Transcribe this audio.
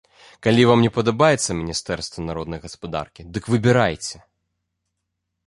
Калі вам не падабаецца міністэрства народнай гаспадаркі, дык выбірайце.